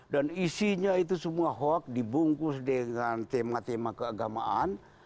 dan isinya itu semua hoax dibungkus dengan tema tema keagamaan